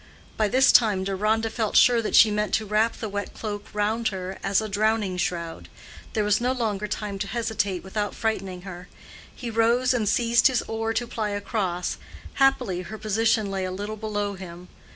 By this time Deronda felt sure that she meant to wrap the wet cloak round her as a drowning shroud; there was no longer time to hesitate about frightening her. He rose and seized his oar to ply across; happily her position lay a little below him.